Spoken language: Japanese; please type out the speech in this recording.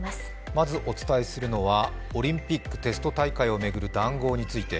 まずお伝えするのはオリンピックテスト大会を巡る談合について。